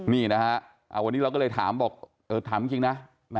นี่นะฮะวันนี้เราก็เลยถามบอกถามจริงนะ